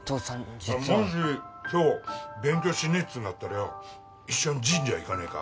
実はもし今日勉強しねえっつうんだったらよ一緒に神社行かねえか？